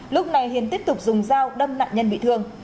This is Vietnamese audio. lúc này hiền tiếp tục dùng dao đâm nạn nhân bị thương